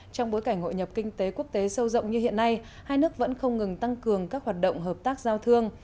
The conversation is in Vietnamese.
trong bối cảnh hội nhập kinh tế quốc tế sâu rộng như hiện nay hai nước vẫn không ngừng tăng cường các hoạt động hợp tác giao thương